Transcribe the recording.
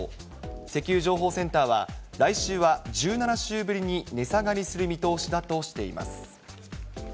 石油情報センターは、来週は１７週ぶりに値下がりする見通しだとしています。